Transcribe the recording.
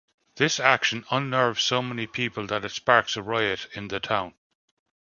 This action unnerves so many people that it sparks a riot in the town.